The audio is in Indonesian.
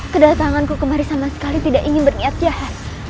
kedatanganku kemari sama sekali tidak ingin berniat jahat